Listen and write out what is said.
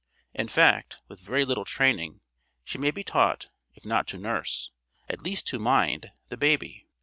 In fact, with very little training, she may be taught, if not to nurse, at least to mind, the baby.